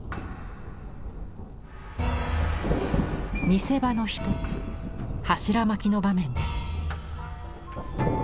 見せ場の一つ「柱巻き」の場面です。